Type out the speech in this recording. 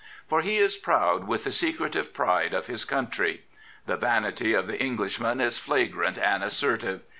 For he is proud with the secretive pride of his country. The vanity of the Englishman is flagrant and assertive.